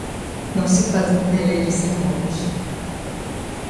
Não se fazem omeletes sem ovos.